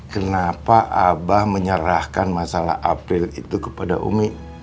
kenapa abah menyerahkan masalah april itu kepada umi